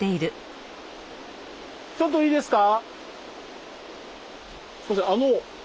ちょっといいですか？